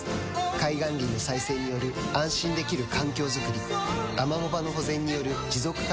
海岸林の再生による安心できる環境づくりアマモ場の保全による持続可能な海づくり